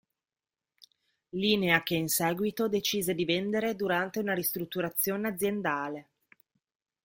Linea che in seguito decise di vendere durante una ristrutturazione aziendale.